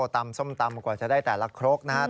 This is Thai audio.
ตำส้มตำกว่าจะได้แต่ละครกนะครับ